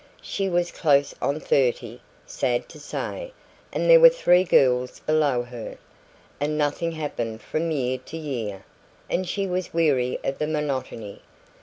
She was close on thirty, sad to say, and there were three girls below her; and nothing happened from year to year, and she was weary of the monotony.